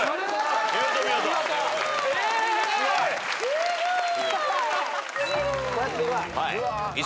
・すごい！